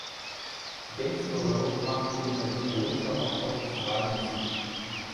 Gainsborough macht neben elektronischer auch orchestrale Musik.